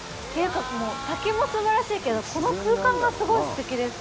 滝もすばらしいけど、この空間がすごいすてきです。